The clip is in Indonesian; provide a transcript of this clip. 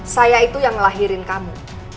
saya itu yang ngelahirin kamu